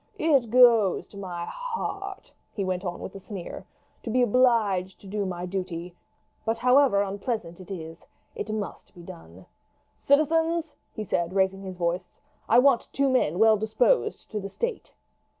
It goes to my heart," he went on with a sneer, "to be obliged to do my duty; but however unpleasant it is, it must be done. Citizens," he said, raising his voice, "I want two men well disposed to the state."